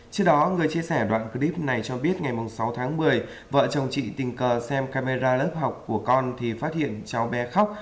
trước đó người chia sẻ đoạn clip này cho biết ngày sáu tháng một mươi vợ chồng chị tình cờ xem camera lớp học của con thì phát hiện cháu bé khóc